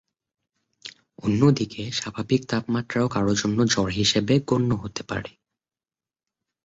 অন্য দিকে স্বাভাবিক তাপমাত্রা ও কারও জন্য জ্বর হিসেবে গণ্য হতে পারে।